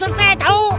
saya mesin urutan